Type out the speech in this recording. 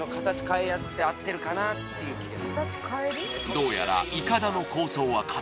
どうやら